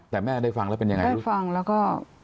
แต่แม่ได้ฟังแล้วเป็นอย่างไรครับหรือได้ฟังแล้วก็